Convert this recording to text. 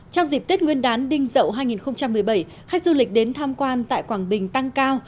trong dịp tết nguyên đán đinh dậu hai nghìn một mươi bảy khách du lịch đến tham quan tại quảng bình tăng cao